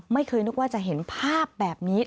ไม่เคยนึกว่าจะเห็นภาพแบบนี้